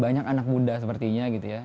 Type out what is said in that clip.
banyak anak muda sepertinya gitu ya